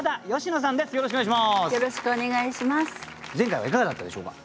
前回はいかがだったでしょうか？